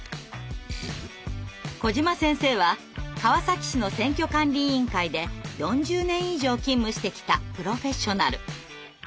小島先生は川崎市の選挙管理委員会で４０年以上勤務してきたプロフェッショナル。